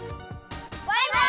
バイバイ！